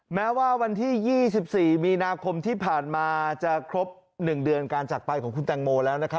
แม้ว่าวันที่๒๔มีนาคมที่ผ่านมาจะครบ๑เดือนการจักรไปของคุณแตงโมแล้วนะครับ